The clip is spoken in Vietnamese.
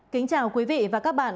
kính chào quý vị và các bạn